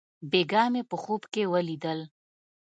بېګاه مې په خوب کښې وليدل.